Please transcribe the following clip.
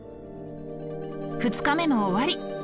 ２日目も終わり！